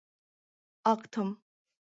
Актым.